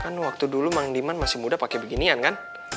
kan waktu dulu mang diman masih muda pakai beginian kan